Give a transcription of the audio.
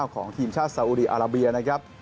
ของทีมชาติสาอุดีอาราเบียนะครับ